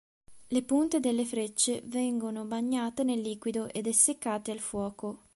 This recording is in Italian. Le punte delle frecce vengono bagnate nel liquido ed essiccate al fuoco.